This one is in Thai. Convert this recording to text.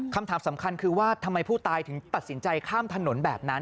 คำถามสำคัญคือว่าทำไมผู้ตายถึงตัดสินใจข้ามถนนแบบนั้น